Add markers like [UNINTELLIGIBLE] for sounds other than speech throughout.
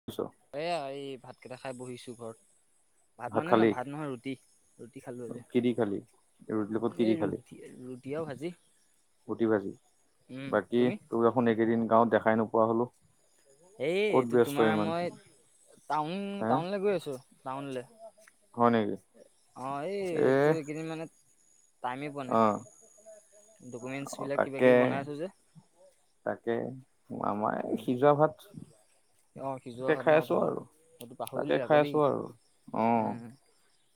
[UNINTELLIGIBLE] এয়া এই ভাতকেইটা খাই বহিছোঁ ঘৰত। ভাত মানে নহয়, ভাত নহয় ৰুটি। ৰুটি খালোঁ আজি কি দি খালি ৰুটিৰ লগত কি দি এই খালি ৰুটি ৰুটি আৰু ভাজি। ৰুটি ভাজি, উম বাকী তুমি তোক দেখোন এইকেইদিন গাঁৱত দেখাই নোপোৱা হ'লো। এই ক'ত এইটো ব্যস্ত তোমাৰ ইমান মই হে টাউন-টাউনলে গৈ আছোঁ। টাউনলে হয় নেকি অহ, এ এইটো এইকেদিন মানে টাইমেই পোৱা নাই, অ ডকুমেণ্টচবিলাক তাকে কিবা-কিবি বনাই আছোঁ যে। তাকে আমাৰ এই উম সিজোৱা ভাত। অ সিজোৱা তাকে ভাত ন খাই আছোঁ আৰু তোমালোকৰ সেইটো পাহৰিলো তাকে আকৌ খাই দেই আছোঁ আৰু অহ। উম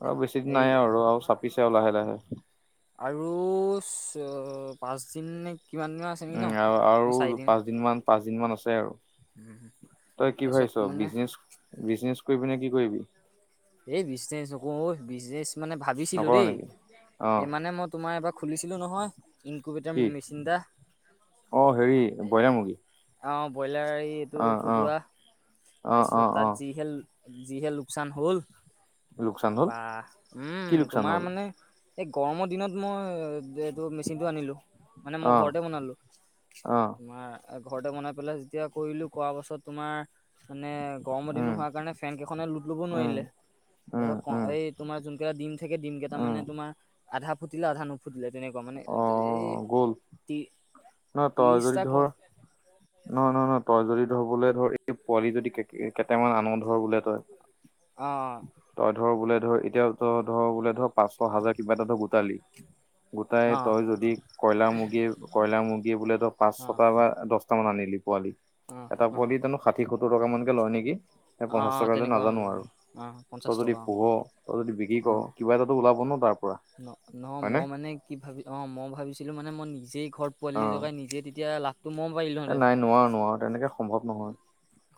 আৰু বেছি দিন এই নাই আৰু আয়ুস চাপিছে আৰু লাহে-লাহে। আৰু পাচ দিননে কিমান দিন আ উম, আৰু আৰু পাঁচদিনমান, পাঁচদিনমান আছে আৰু। তই কি তাৰপিছত ভাবিছ মানে বিজনেচ, বিজনেচ কৰিবিনে কি কৰিবি। এই বিজনেচ নকৰো অহ, বিজনেচ মানে ভাবিছিলোঁ নকৰ দেই। নেকি অ এই মানে মই তোমাৰ এবাৰ খুলিছিলোঁ নহয়, ইনকুবেটাৰ মেচিন এটা। অহ, হেৰি ব্ৰইলা মুৰ্গী। অহ, ব্ৰইলাৰ এইটো অ', অ', ফুটোৱা, অ', তাৰপিছত অ', তাত অ', যিহে যিহে লোকচান হ'ল লোকচান হ'ল বা উম, কি লোকচান তোমাৰ হ'ল? মানে এই গৰমৰ দিনত মই এইটো মেচিনটো আনিলোঁ। মানে মই অ', ঘৰতে বনালো অ', তোমাৰ। ঘৰতে বনাই পেলাই যেতিয়া কৰিলোঁ, কৰা পাছত তোমাৰ মানে গৰমৰ দিন উম, হোৱাৰ কাৰণে ফেনকেইখনে লোট ল'ব উম, নোৱাৰিলে। উম, তাৰপিছত উম, ক' এই তোমাৰ যোনকেইটা ডিম থাকে ডিম কেইটা উম, মানে তোমাৰ আধা ফুটিলে আধা নু নুফুটিলে তেনেকুৱা মানে এই অ', গ'ল ন তই যদি ত্ৰি-ত্ৰিশটা ধৰ কণ নহয়, নহয়, নহয়। তই যদি ধৰ বোলে ধৰ পোৱালি যদি কেইটামান আন ধৰ বোলে তই। অ', তই ধৰ বোলে ধৰ এতিয়া তই ধৰ বোলে ধৰ পাঁচশ হাজাৰ কিবা এটা ধৰ গোটালি। গোটাই অ', তই যদি কয়লাৰ মুৰ্গী, কয়লাৰ মুৰ্গী বোলে তই পাঁচ অ', ছটা দহটা মান আনিলি পোৱালি, অ', এটা অ', পোৱালিত জানোঁ ষাঠি সত্তৰ টকা মানকে লয় নেকি? নে পঞ্চাশ অ', টকা লয় তেনেকুৱা হ'লে নাজানোঁ অ', আৰু। অ', তই পঞ্চাশ যদি টকা অ', পোহ, তই যদি বিক্ৰী কৰ, অ', কিবা এটাটো ওলাব ন' তাৰপৰা। ন' ন' মই মানে কি ভাবি অহ, মই ভাবিছিলোঁ মানে মই নিজেই ঘৰ অ পোৱালি জগাই নিজেই, তেতিয়া লাভটো মই পাৰিলোঁ হয়। এ নাই নোৱাৰ-নোৱাৰ তেনেকে সম্ভৱ নহয়।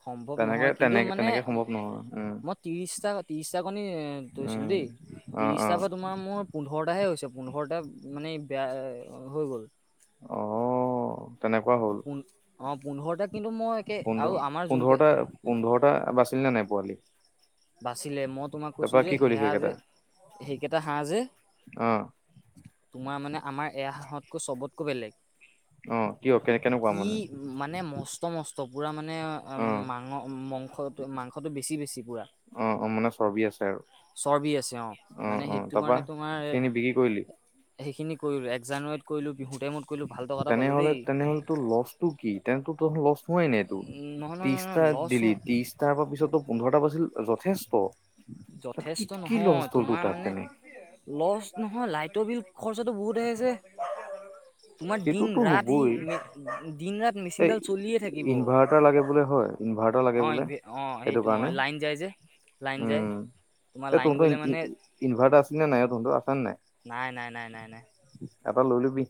সম্ভৱ তেনেকে নহয় কিন্তু তেনেকে মানে তেনেকে সম্ভৱ নহয় উম মই ত্ৰিশটা, ত্ৰিশটা কণী লৈছিলোঁ উম দেই। অ অ ত্ৰিশটাৰ পৰা তোমাৰ মোৰ পোন্ধৰটাহে হৈছে, পোন্ধৰটা মানে বেয়া হৈ গ'ল। অ', তেনেকুৱা হ'ল পোন্ধ অ', পোন্ধৰটা কিন্তু মই একে পোন্ধৰ আৰু আমাৰ যোনকে পোন্ধৰটা পোন্ধৰটা বাছিলি নে নাই পোৱালি। বাচিলে মই তোমাক কৈছোঁ তাৰপৰা যে কি কৰিলি সেয়া যে সেইকেইটা সেইকেইটা হাঁহ যে অ তোমাৰ মানে আমাৰ এয়া হাঁহতকৈ চবতকৈ বেলেগ। অ', কিয় কেনে কেনেকুৱা কি মানে। মানে মস্ত মষ্ট মসষ্ট পুৰা মানে অ মাস মাংস, মাংসটো বেছি বেছি পুৰা। অ', অ', মানে চৰ্বি আছে। আৰু চৰ্বি আছে অ', মানে অ সেইটো তাৰপা কাৰণে তোমাৰ সেইখিনি বিক্ৰী কৰিলি সেইখিনি কৰিলোঁ জানুৱাৰীতলো বিহু টাইমতলোঁ ভাল টকা এ পালোঁ দেই। মানে সেইটো ল'চ টো কি [UNINTELLIGIBLE] নোৱাই নাই এইটো উম নহয় নহয় নহয় ত্ৰিছটা লছ দিলি ত্ৰিছটাৰ পিছতো পোন্ধৰটা প আছিল যথেষ্ট। তাত কি যথেষ্ট কি লছ নহয় হ'ল তোৰ তোমাৰ তাত মানে তেনে লষ্ট নহয়, লাইটৰ বিল খৰচাটো বহুত আহেযে? তোমাৰ দিন সেইটোতো ৰাত হ'বই ই দিন ৰাত মেচিনডাল চলিয়ে থাকিব। টাৰ লাগে বোলে হয়, ইনৰ্ভাট অ', অ' সেইটো অ' লাইন যায় যে লাইন যায় তোমাৰ লাইন গ'লে মানে ইনৰ্ভাটাৰ আছেনে নাই অ' তহ'তৰ আছে নে নাই? নাই, নাই, নাই, নাই, নাই। এটা লৈ লবি।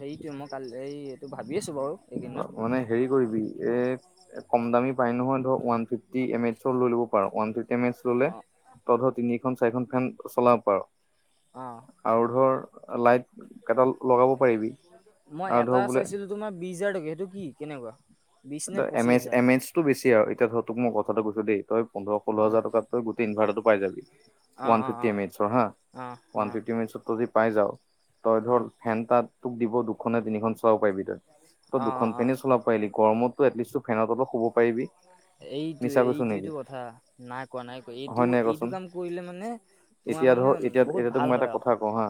হেৰিটোৱে মই কাল এই এইটো ভাবি আছো বাৰু। এইকেইদিনত মানে হেৰি কৰিবি এ কম দামী পাই নহয়, ধৰ ওৱান ফিফটি এম এইচ লৈ লব পাৰ ওৱান ফিফটচ এম এইচ ল'লে অঁ তই ধৰ তিনিখন চাৰিখন ফেন চলাব পাৰ। অ'। আৰু ধৰ লাইট কেইটা লগাব পাৰিবি, মই আৰু এটা ধৰ বোলে চাইছিলো তোমাৰ বিশছ হাজাৰ টকিয়া, সেইটো কি কেনেকুৱা? বিশ নে এ এম পঁচিছ এইচ এম হাজাৰ এইচ টো বেছি আৰু, এতিয়া ধৰ তোক মই কথাটো কৈছো দেই, তই পোন্ধৰ ষোল্ল হাজাৰ টকাত তই গোতেই ইনৰ্ভিটাৰটো পায় যাবি অঁ ওৱান অঁ ফিফটি অঁ এম এইচৰ হা', অঁ ওৱান অঁ অঁ ফিফটি এম এইচত তই যদি পাই যাৱ, তই ধৰ অঁ ফেন তাত তোক দিব দুখননে তিনিখন চলাব পাৰিবি তই অঁ অঁ দুখন অঁ ফেনে চলাব পাৰিলি গৰমতটো এটলিষ্টটো ফেনত অলপ শুব পাৰিবি। এইটো মিছা কৈছো এইটোয়টো নেকি কথা নাই কোৱা নাই কোৱা এইটো হয় নাই এইটো কচোন কাম কৰিলে মানে তোমাৰ এতিয়া মানে ধৰ এতিয়া বহুত এতিয়াতোক ভাল মই এটা হয় আৰু কথা কওঁ হা',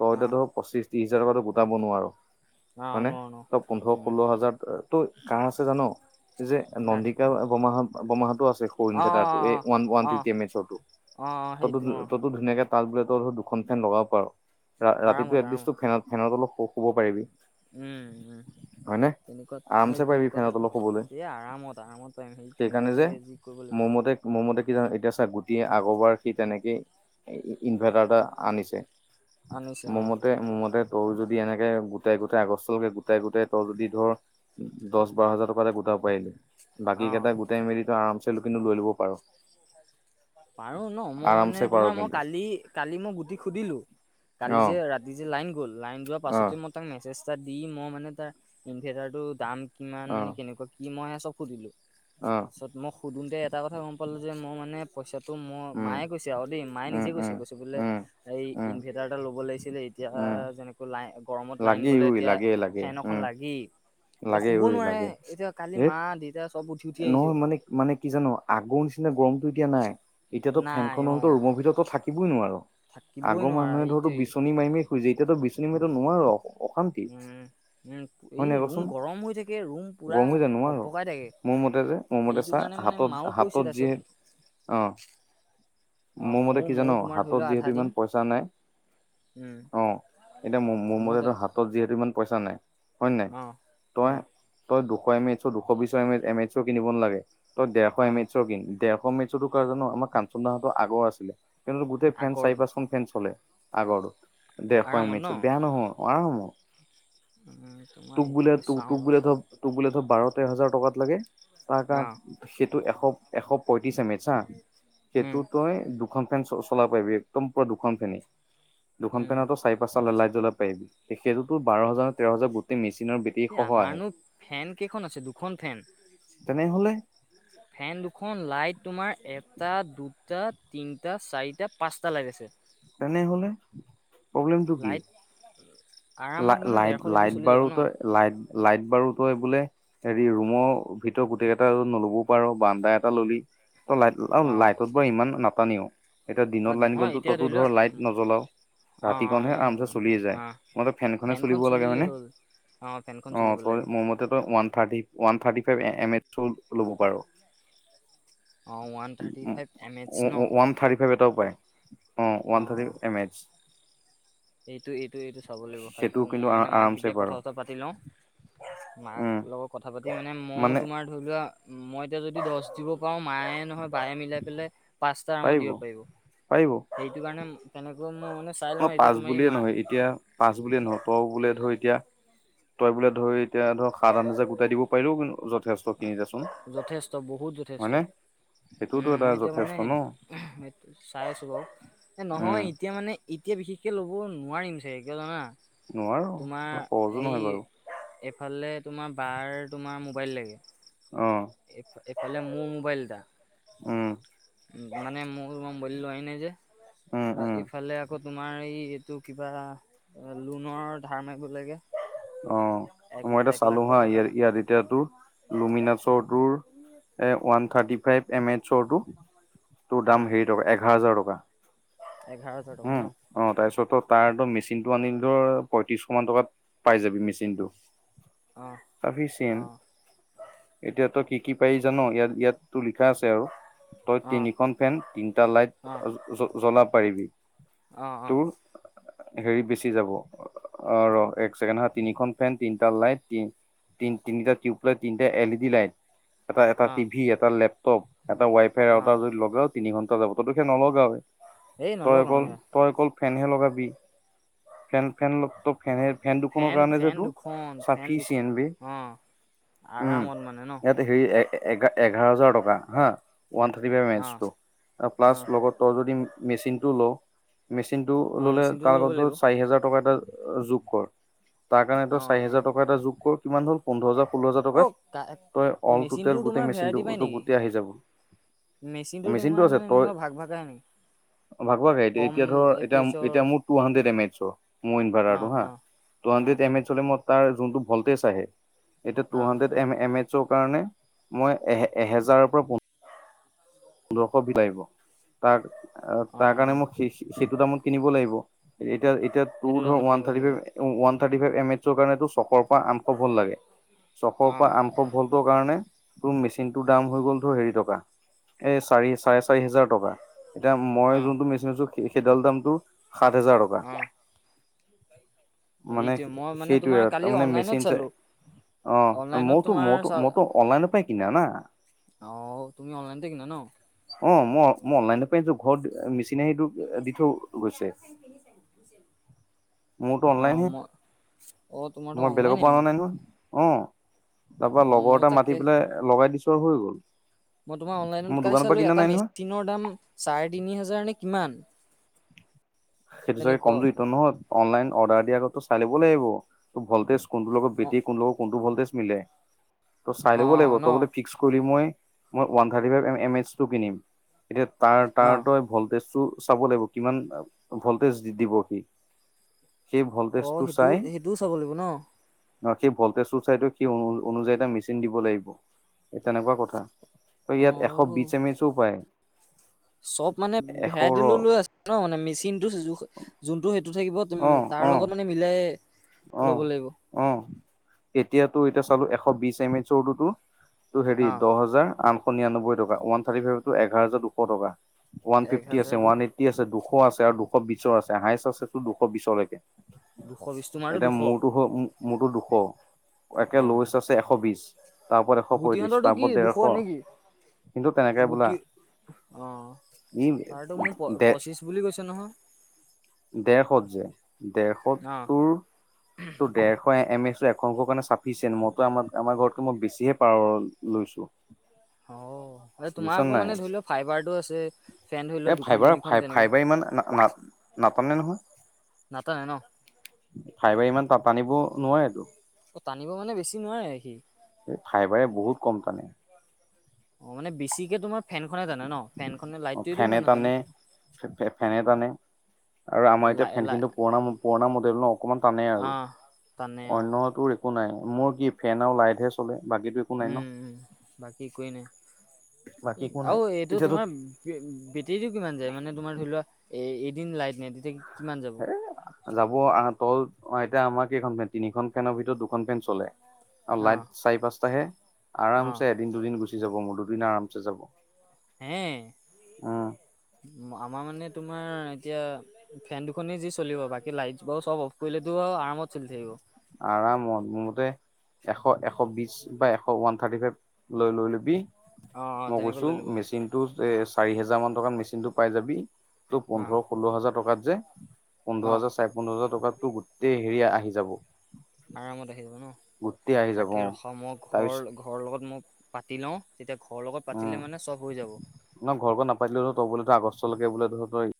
তই এতিয়া অঁ ধৰ পঁচিশ ত্ৰিশ হাজাৰ টকাতো গোটাব নোৱাৰ অঁ হয়নে? নোৱাৰো নোৱাৰো তই পোন্ধৰ উম ষোল্ল হাজাৰ তো কাৰ আছে জান, যে কাৰ নন্দিক বৰমা বৰমাহটো আ এই সৰু অঁ অঁ ইনৰ্ভাটাৰটো অঁ এই ওৱান অঁ অঁ ফিফটি এম এইচৰটো, অঁ অঁ তই টো সেইটো তই অঁ টো তো ধুনীয়াকে তাত বোলে তই দুখন ফেন লগাব পাৰ, ৰাতিটো আৰামত আৰামত এটলিষ্ট ফেনত ফেনৰ তলত শুব পাৰিবি। উম, উম হয়নে তেনেকুৱাত আৰামছে পাৰিবি ফেনৰ তেনেকুৱা এটা তলত লবি, শুবলৈ এই আৰামত আৰামত পাৰিম সেই সেইকাৰণে তেনেকুৱাতে যে যি কৰিব মোৰ লাগিব মতে মোৰ মতে কি জানো এতিয়া চা গুটিয়ে আগবাৰ সি তেনেকেই ইনভাৰ্টাৰ এটা আনিছে। আনিছে অ মোৰ মতে মোৰ মতে তই যদি এনেকে গোটাই গোটাই আগষ্টলৈকে গোটাই গোটাই তই যদি ধৰ দহ বাৰ হাজাৰ টকা এটা গোটাব পাৰিবি, বাকী অ কেইটা গোটাই মেলি আমচে লৈ ল'ব পাৰ। পাৰো ন? মই মানে আৰামচে পাৰ তোমাৰ মই কিন্তু কালি কালি মই গুটিক সুধিলো কালি অ যে ৰাতি দি যে লাইন গ'ল, লাইন যোৱাৰ অ পাছতে মই তাক মেছেজ এটা দি মই মানে তাৰ ইনৰ্ভাটাৰটো দাম কিমান অ মানে কেনেকুৱা কি মই চব সুধিলো। অ'। তাৰপাছত মই সুধোঁতে এটা কথা গম পালোঁ যে মই মানে পইচাটো মই উম মায়ে কৈছে আৰু দেই, মায়ে উম নিজে কৈছে, উম কৈছে বোলে উম এই উম ইনভাৰ্টাৰ এটা ল'ব লাগিছিলে এতিয়া উম যেনেক লাই গৰমত লাইন লাগে গ'লে, ঐ এতিয়া লাগে লাগে ফেন এখন উম লাগেই। এতিয়া লাগে শুব ঐ নোৱাৰে লাগে এতিয়া, কালি হেত মা- দেউতা চব উঠি, উঠি আহিছে। নহয় মানে মানে কি জানো আগৰ নিচিনা গৰমটো এতিয়া নাই। এতিয়াতো নাই ফেনখন অ হ'লতো ৰুমৰ ভিতৰতো থাক থাকিবই নোৱাৰ থাকিবই আগৰ নোৱাৰা মানুহেটো তোৰ সেইটোৱেই বিচনী মাৰি, মাৰি শুইছিল এতিয়াতো বিচ টো নোৱাৰ, অশান্তি উম উম হয়, এই নাই ৰুম ক'চোন? গৰম হৈ থাকি কে ৰুম। পুৰা গৰম হৈ যাই ভক নোৱাৰ, ভকাই থাকে মোৰ মতে যে মোৰ মতে সেইটো চা কাৰণে মানে মাও হাতত, কৈছে হাতত যি তাৰপিছত অ'। অ মোৰ মতে ময়ো কি ময়ো জানো তোমাৰ ধৰি হাতত লোৱা আধা যিহেতু দিম ইমান পইচা নাই উম অ', এতিয়া মোৰ ময়ো মো-মো-মোতো তেন হাতত যিহেতু ইমান পইচা নাই, হয় নাই অ তই অ তই দুশ এম এচ' দুশ বিশ এ এম এচ' কিনিব নালাগে, তই ডেৰশ অ এম এচ' কিন, ডেৰ [UNINTELLIGIBLE] কাৰ জান' আমাৰ কাঞ্চন দাহতৰ আগৰ আছিলে, কিন্তু গোটেই ফেন আগৰ চাৰি ন পাঁচখন ফেন চলে। আগৰো দেৰশ আৰামত এম ন এচৰ বেয়া নহয়, আৰামৰ [INAUDIBLE] তোক বোলেতো তোক চাওঁ বোলে ধ তোক বোলে ধৰক বাৰ তেৰ হাজাৰ টকাত লাগে অ [UNINTELLIGIBLE] সেইটো এশ, এশ পয়ত্ৰিশ এম এচ হা, উম সেইটোত তই দুখন ফেন চ-চলাব পাৰিবি, একদম পুৰা দুখন ফেন, দুখন উম ফেনতো চাৰি পাঁচটা লাইট জ্বলাব পাৰিবি সেইটোতো বাৰ হাজাৰ, তেৰ হাজাৰ গোটেই মেচিনৰ এই বেটৰীসহ আহে। আমাৰনো ফেন কেইখন আছে? দুখন ফেন! তেনেহলে ফেন দুখন, লাইট তোমাৰ এটা দুটা তিনিটা চাৰিটা পাঁচটা লাইট আছে। তেনেহ'লে? প্ৰব্লেমটো কি? লাইট আৰামত মানে লা-লাইট, ডেৰশ এইটো লাইট চলি যাব বাৰু ন তই লাইট, লাইট বাৰু তই বোলে হেৰি ৰুমৰ ভিতৰত গোটেইকেইটা নল'বও পাৰো বাৰন্দা এটা ল'লি ত' লাইট অ', লাইটটো ইমান নাটানেও, এতিয়া অ, দিনত লাইন নহয় গ'লেটো এতিয়া তই তো ধৰি লোৱা ধৰ লাইট নজ্বলাও। অ অ, ৰাতিকনহে, এই আৰামচে নাজানো চলিয়ে যায়। হা [UNINTELLIGIBLE] ফেনখনহে ফেনখন চলিব লাগে চলিলেই হয়নে? হ'ল ফেনখন অ', চলিব লাগে তই মোৰ মতে তই one thirty, one thirty five এ, এএম এইচটো ল'ব পাৰ। অ one thirty five M H ন ও-ও- ওৱান থাৰ্টি ফাইভ এটাও পায়। অ', অ ওৱান থাৰ্টি এম এইচ। এইটো, এইটো, এইটো চাব সেইটো লাগিব। কিন্তু মই মানে মাক আৰামছে এতিয়া পাৰ কথা চথা পাতি লওঁ। মাক উম লগত কথা পাতি মানে, ময়ো তোমাৰ ধৰি লোৱা মই এতিয়া যদি দছ দিব পাৰোঁ, মায়ে নহয়, বায়ে মিলাই পেলাই পাঁচটা আৰামত দিব পাৰিব। পাৰিব সেইটোকাৰণে তেনেকৈ মই মানে চাই অ লওঁ এইটো পাঁচ বুলিয়ে নহয়, এতিয়া পাঁচ বুলিয়ে নহয় তই বোলে ধৰ এতিয়া তই বোলে ধৰ এ এতিয়া ধৰ সাত আঠ হাজাৰ গোটাই দিব পাৰিলেও কিন্তু যথে যথেষ্ট বহুত যথেষ্ট। হয়নে সেইটোতো উম, এটা মই এতিয়া যথেষ্ট মানে ন চাই আছোঁ বাৰু। এ, নহয় উম এতিয়া মানে এতিয়া বিশেষকৈ ল'ব নোৱাৰিম চাগে কিয় জানা, নোৱাৰো তোমাৰ সহজো এই নহয় বাৰু এইফালে তোমাৰ বাৰ তোমাৰ মোবাইল লাগে অ এইফ-এইফালে মোৰ মোবাইল এটা। উম। উম, মানে মইয়ো ল'ম বুলি লোৱাই নাই যে। উম, উম। এইফালে আকৌ তোমাৰ এই এইটো কিবা লোনৰ ধাৰ মাৰিব লাগে। অ' এক মই এতিয়া এক লাখ চালো হা, টকা এটা ইয়াৰ ইয়া ইটাতো। লোমিনাছৰটোৰ ওৱান থাৰ্টি ফাইভ এম এছৰটো তোৰ অ দাম হেৰি টকা এঘাৰ হাজাৰ টকা। এঘাৰ হাজাৰ টকা উম ন'? অ' তাৰপিছতো তাঁৰটো, মেচিনটো আনিলে তোৰ পয়ত্ৰিচশ মান টকাত। পাই যাবি মেচিনটো। চাফিচিয়েন। অ অ এতিয়া তই কি কি পাবি জান, ইয়াত ইয়াত তোৰ লিখা আছে আৰু তই অ তিনিখন ফেন, তিনটা লাইট অঁ জ-জ্বলাব পাৰিবি। অঁ অঁ তোৰ হেৰি বেচি যাব, অ' ৰ এক ছেকেণ্ড হা, তিনিখন ফেন, তিনটা লাইট, তিন তিনিটা টিউব লাইট, তিনিটা এল ই ডি লাইট এটা এটা অঁ টিভি, এটা লেপটপ, এটা ৱাই ফাই আৰু এটা অঁ যদি লগাও তিনি ঘণ্টা যাব, তহততো সেই নলগাৱে এই তই নলগাওঁ অকল সেয়া তই অকল ফেনহে লগাবি। ফেন ফেন ট ত‌ই ফেনহে ফেন দুখনৰ কাৰণে যে ফেন তোৰ দুখন ফেন দু চাফিচিয়েন্ত বে। অঁ উম আৰামত মানে ন'? ইয়াত হেৰি এ, এঘা-এঘাৰ হাজাৰ টকা হা, ওৱান থাৰ্টি ফাইভ এম অঁ এইচটো, প্লাছ অঁ লগত তই যদি মেচিনটো লওঁ মেচিনটো অঁ ল'লে মেচিনটো তাৰ ল'ব লগত লাগিব তোৰ চাৰি হাজাৰ টকা এটা যোগ কৰ। তাৰ কাৰণে তই অঁ চাৰি অঁ হাজাৰ টকা এটা যোগ কৰ, কিমান হ'ল পোন্ধৰ হাজাৰ, ষোল্ল হাজাৰ অ' টকাত কা তই অল মেচিনটোৰ টোটেল তোমাৰ গোটেই ভেৰাইটি মেচিনটো পায় তোৰ, নেকি গোটেই আহি যাব। মেচিনটো তোমাৰ আছে মানে তই এনেকুৱা ভাগ ভাগ আহে নেকি? ভাগ ভাগ আহে। এতি কম এতিয়া ধৰ এ পি এতিয়া এছৰ এতিয়া মোৰ টু হানড্ৰেড এম এইচৰ মোৰ অঁ ইনভাৰ্টাৰটো হা অঁ অঁ হানড্ৰেত এম এইচৰ মোলৈ তাৰ যোনটো ভ'ল্টেজ আহে এতিয়া অঁ টুহানড্ৰেত এম-এম এইচৰ কাৰণে মই এ, এহেজাৰৰপৰা পো পোন্ধৰশ বিল আহিব, তাৰ অঁ তাৰকাৰণে অঁ মো সে সেই সেইটো দামত কিনিব লাগিব, এতিয়া এতিয়া তোৰ সেইটো ধৰ দামত ওৱান কিনিব থাৰ্টি লাগিব ফাইভ এ ওৱান থাৰ্টি ফাইভ এমএচৰ কাৰণে তোৰ ছশৰ পৰা আঠশ ভল্ট লাগে, অঁ ছশৰপৰা আ সব ভল্টৰ কাৰণে তোৰ মেচিনটোৰ দাম হৈ গ'ল তোৰ হেৰি টকা। এই চাৰি চাৰে চাৰি হেজাৰ টকা। এতিয়া মই অঁ যোনটো মেচিন আনিছো সেইডাল দামটো সাত হাজাৰ অঁ টকা। অঁ মানে এইটোৱে মই মানে তোমাৰ সেইটোৱে, কালি তাৰমানে অনলাইনত মেচিন চাই চালোঁ অ' অনলাইনত মওতো, তোমাৰ মওতো, চা মওতো অনলাইনৰপৰাই কিনা না। অ' তুমি অনলাইনতে কিনা ন'? অ' ম-মই অনলাইনপাই আনিছো ঘৰত মেচি কিনিচা এইটো [UNINTELLIGIBLE] মোৰতো অ' অনলাইনহে ম, অ' তোমাৰতো মই বেলেগৰ অনলাইন পৰা অনা মানে? নাই নহয় অ' তাৰপৰা অ', লগৰ ময়ো এটা মাতি তাকে পেলাই লগাই দিছোঁ আৰু হৈ গ'ল। মই তোমাৰ মোৰ অনলাইনত কালি দোকানৰ পৰা চালো, কিনা এটা নাই নহয় মেচিনৰ দাম চাৰে তিনি হাজাৰ নে কিমান। সেইটো চাগে কম তেনেকুৱা জোৰিটো, নহয় অনলাইন অৰ্ডাৰ দিয়াৰ আগেতো চাই লিব লাগিব। ভলতেজ কোনটোৰ লগত অ', বেটেই কোন লগত কোনটো ভলতেজ মিলে। তোৰ চাই ল'ব লাগিব, অ', ন তই বোলে ফিক্স কৰিলি, মই মই one thirty five M H টো কিনিম। এতিয়া তাৰ তাৰ অ', তই ভল্টেজটো চাব লাগিব কিমান ভল্টেজ দি দিবহি, সেই অ', ভল্টেজটো সেইটো চাই সেইটোও চাব লাগিব ন? অ' সেই ভল্টেজ চাইটো সেই অনু-অনুযায়ী এটা মেচিন দিব লাগিব, তেনেকুৱা কথা। ত' ইয়াত এশ বিছ অ', এম এচো পায়। চব মানে এশ ভেৰাইটি লৈ ৰ লৈ আছে ন'? মানে মেচিনটো জোখ যোনটো সেইটো থাকিব অ', তাৰ অ', লগত মানে মিলায়ে ল'ব অ', লাগিব। অ'। এতিয়াতো এতিয়া চালো এশ বি এম এইচৰ টোতো হেৰি অ', দহ হাজাৰ আঠশ নিৰান্নব্বৈ টকা। ওৱান থাৰ্টী ফাইভটো এঘাজাৰ দুশ টকা। ওৱান এক ফিফটি আছে হাজাৰ দুশ ওৱান এইট আছে, দুশ আছে আৰু দুশ বিশৰ আছে হাইষ্ট আছে তুৰ দুশ বিশলৈকে। দুশ বিশটো এতিয়া মূৰটোস মোৰটো দুশ। একে লৱেষ্ট আছে এশ বিশ, তাৰপৰত এশ পয়ত্ৰিশ, গুটিহঁতৰটো কি তাৰপৰত দুশ ডেৰশ। নেকি? কিন্তু তেনেকে বোলা গুটি অ ইম ছাৰটো মোৰ দে পঁচিছ বুলি কৈছে নহয়। ডেৰশত যে ডেৰশত তোৰ অ তো ডেৰশ এম এছৰ [UNINTELLIGIBLE] কাৰণে পিছে মইতো আমাক আমাৰ ঘৰতকে মই বেছিহে পাৰ লৈছোঁ। অ'তোমাৰ আকৌ মানে ধৰি লোৱা ফাইবাৰটো আছে, ফেন ধৰি এ লোৱা দুখন, ফাইবাৰ ফাই তিনিখন তেনেকুৱা। [UNINTELLIGIBLE] নাটানে নহয়। নাটানে ন ফাইবাৰ ইমান তা অ তানিব নোৱাৰেটো। অ, টানিব মানে বেছি নোৱাৰে সি? ফাইবাৰে বহুত কম টানে। অ, মানে বেছিকে তোমাৰ ফেনখনে টানে ন? ফেনখনে লাইটোৱেতো ইমান নাটানে। ফে-ফে-ফেনে টানে। আৰু আমাৰ এতিয়া লাই ফেন লাই খিনিটো পুৰণা পুৰণা মডেল ন? অকমান টানেই অ আৰু। টানে অ অন্য তুৰ একো নাই, মোৰ কি ফেন আৰু লাইটহে চলে বাকীটো উম, উম। বাকী একোৱে বাকী নাই। একো নাই আৰু এইটো এতিয়াতো তোমাৰ বে বেটেৰীটো কিমান যায়? মানে তোমাৰ ধৰি লোৱা, এ এদিন লাইট নাই তেতিয়া কিমান যাব? এ যাব [UNINTELLIGIBLE] এতিয়া আমাৰখন ফেন তিনিখন ফেনৰ ভিত দুখন ফেন চলে। চলে আৰু অ লাইট চাৰি পাঁচাহে। অ আৰামচে এদিন দুদিন গুচি যাব মোৰ দুদিন আৰামচে যাব। হে', উম ম আমাৰ মানে তোমাৰ এতিয়া ফেন দুখনেি যি চলিব বাকী লাইট বু চব অফ কৰিলেতো আৰামত চলি থাকিব আৰামত মোৰমতে এশ এশ বিশ বা এশ ওৱান থাৰ্টি ফাইভ লৈ লৈ লবি। অ অ মই তেনেকৈ কৈছোঁ, লৈ ল'ব লাগিব মেচিনটো এ অ চাৰি হেজাৰ মান টকাত মেচিনটো পাই যাবি। ত' পোন্ধৰ অ ষোল্ল হাজাৰ টকাত যে পোন্ধৰ অ হাজাৰ চ পোন্ধৰ হাজাৰ টকাততো গোটেই হেৰি আহি যাব। আৰামত আহি যাব ন? গোটেই আহি যাব তাকে অ ৰখা মই তাৰপিছত ঘৰ ঘৰৰ লগত মই পাতি লওঁ, তেতিয়া ঘৰৰ লগত পাতিলে মানে চব হৈ যাব। নহ ঘৰ ঘৰত নাপাতিলে ত বোলে আগষ্টলৈকে বোলে ধ তই